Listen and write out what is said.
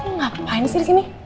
ngapain sih disini